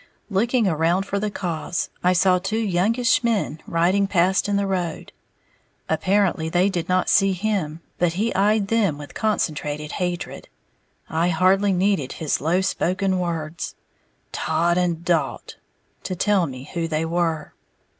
Looking around for the cause, I saw two youngish men riding past in the road. Apparently they did not see him; but he eyed them with concentrated hatred. I hardly needed his low spoken words, "Todd and Dalt," to tell me who they were.